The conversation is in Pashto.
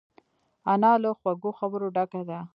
انا له خوږو خبرو ډکه ده